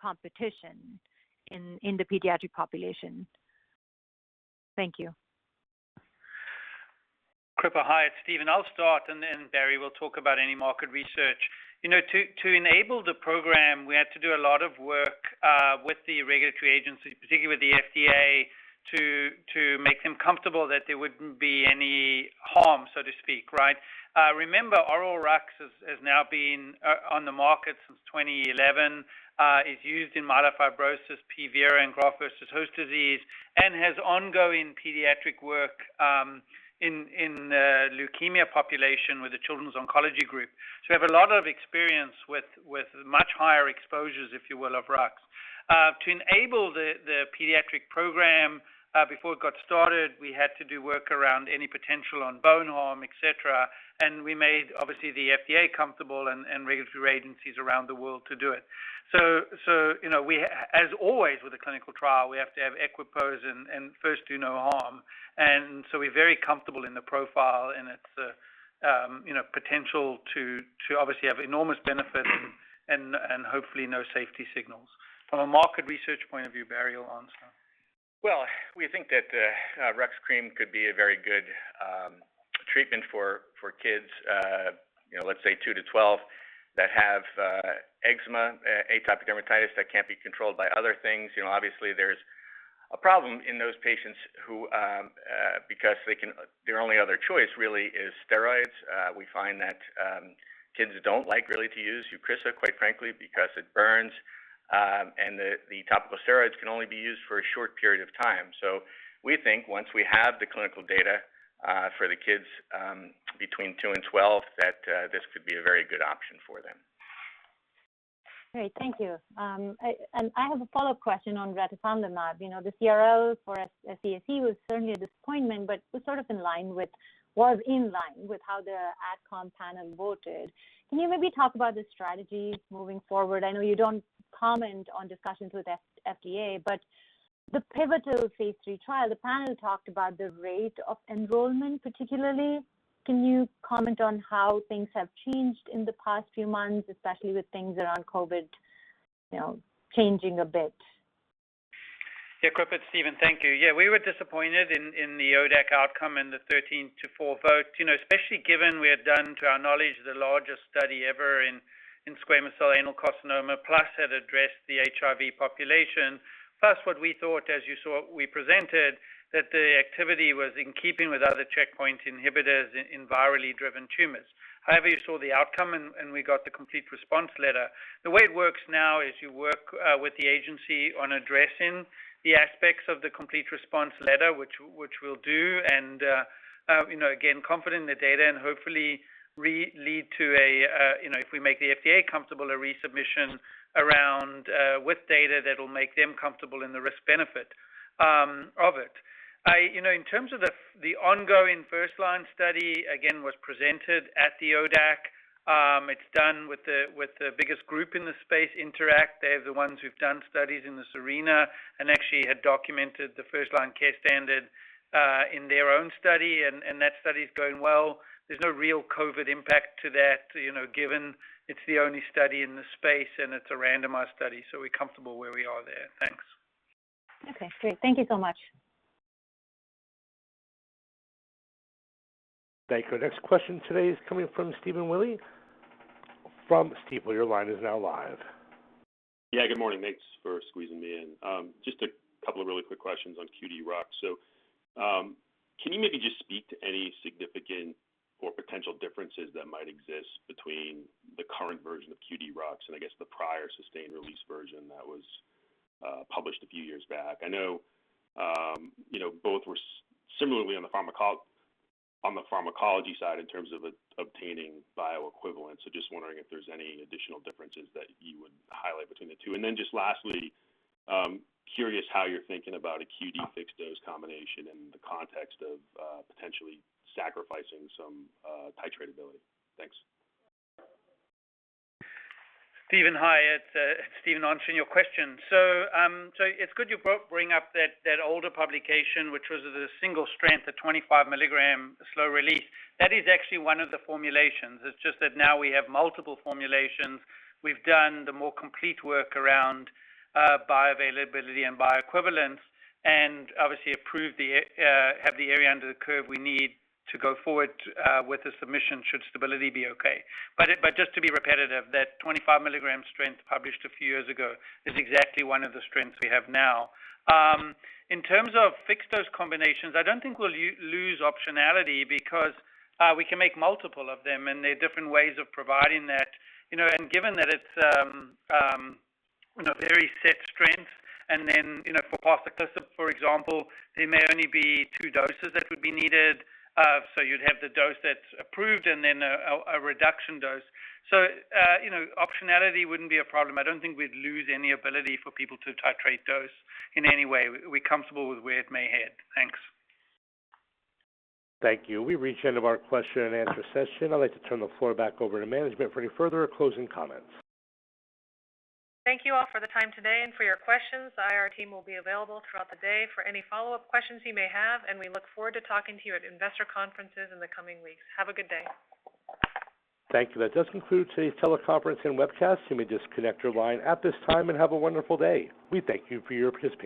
competition in the pediatric population? Thank you. Kripa. Hi, it's Steven. I'll start, and then Barry will talk about any market research. To enable the program, we had to do a lot of work with the regulatory agencies, particularly with the FDA, to make them comfortable that there wouldn't be any harm, so to speak, right? Remember, oral Rux has now been on the market since 2011. It's used in myelofibrosis, PV or in graft versus host disease and has ongoing pediatric work in the leukemia population with the Children's Oncology Group. We have a lot of experience with much higher exposures, if you will, of Rux. To enable the pediatric program, before it got started, we had to do work around any potential on bone harm, et cetera, and we made, obviously, the FDA comfortable and regulatory agencies around the world to do it. As always with a clinical trial, we have to have equipoise and first do no harm. We're very comfortable in the profile, and its potential to obviously have enormous benefit and hopefully no safety signals. From a market research point of view, Barry will answer. We think that RUX cream could be a very good treatment for kids, let's say two to 12, that have eczema, atopic dermatitis, that can't be controlled by other things. Obviously there's a problem in those patients who, because their only other choice really is steroids. We find that kids don't like really to use EUCRISA, quite frankly, because it burns. The topical steroids can only be used for a short period of time. We think once we have the clinical data for the kids between two and 12, that this could be a very good option for them. Great. Thank you. I have a follow-up question on retifanlimab. The CRL for SCCA was certainly a disappointment, but was sort of in line with how the AdCom panel voted. Can you maybe talk about the strategy moving forward? I know you don't comment on discussions with FDA, but the pivotal phase III trial, the panel talked about the rate of enrollment, particularly. Can you comment on how things have changed in the past few months, especially with things around COVID changing a bit? Yeah, Kripa, it's Steven. Thank you. We were disappointed in the ODAC outcome and the 13 to 4 vote, especially given we had done, to our knowledge, the largest study ever in squamous cell anal carcinoma, plus had addressed the HIV population. What we thought, as you saw, we presented that the activity was in keeping with other checkpoint inhibitors in virally driven tumors. You saw the outcome, and we got the Complete Response Letter. The way it works now is you work with the agency on addressing the aspects of the Complete Response Letter, which we'll do, and again, confident in the data, and hopefully lead to a, if we make the FDA comfortable, a resubmission around with data that'll make them comfortable in the risk-benefit of it. In terms of the ongoing first-line study, again, was presented at the ODAC. It's done with the biggest group in the space, InterAACT. They're the ones who've done studies in the arena and actually had documented the first-line care standard, in their own study, and that study's going well. There's no real COVID impact to that, given it's the only study in the space, and it's a randomized study, so we're comfortable where we are there. Thanks. Okay, great. Thank you so much. Thank you. Our next question today is coming from Stephen Willey from Stifel. Your line is now live. Yeah, good morning. Thanks for squeezing me in. Just a couple of really quick questions on QD-Rux. Can you maybe just speak to any significant or potential differences that might exist between the current version of QD-Rux and I guess the prior sustained-release version that was published a few years back? I know both were similarly on the pharmacology side in terms of obtaining bioequivalence. Just wondering if there's any additional differences that you would highlight between the two. Just lastly, curious how you're thinking about a QD fixed dose combination in the context of potentially sacrificing some titratability. Thanks. Stephen, hi. It's Steven answering your question. It's good you bring up that older publication, which was at a single strength, a 25 mg slow release. That is actually one of the formulations. It's just that now we have multiple formulations. We've done the more complete work around bioavailability and bioequivalence, and obviously have the area under the curve we need to go forward with the submission should stability be okay. Just to be repetitive, that 25 mg strength published a few years ago is exactly one of the strengths we have now. In terms of fixed dose combinations, I don't think we'll lose optionality because we can make multiple of them, and there are different ways of providing that. Given that it's a very set strength, then for posaconazole, for example, there may only be two doses that would be needed. You'd have the dose that's approved and then a reduction dose. Optionality wouldn't be a problem. I don't think we'd lose any ability for people to titrate dose in any way. We're comfortable with where it may head. Thanks. Thank you. We've reached the end of our question and answer session. I'd like to turn the floor back over to management for any further or closing comments. Thank you all for the time today and for your questions. IR team will be available throughout the day for any follow-up questions you may have, and we look forward to talking to you at investor conferences in the coming weeks. Have a good day. Thank you. That does conclude today's teleconference and webcast. You may disconnect your line at this time, and have a wonderful day. We thank you for your participation.